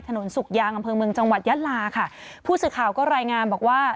สุกยางอำเภอเมืองจังหวัดยะลาค่ะผู้สื่อข่าวก็รายงานบอกว่า